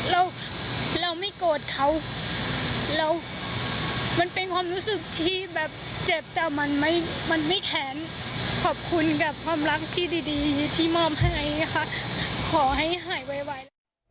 เราเราไม่โกรธเขาเรามันเป็นความรู้สึกที่แบบเจ็บแต่มันไม่แค้นขอบคุณกับความรักที่ดีที่มอบให้ค่ะขอให้หายไว